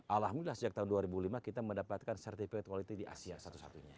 alhamdulillah sejak tahun dua ribu lima kita mendapatkan certifikat quality di asia satu satunya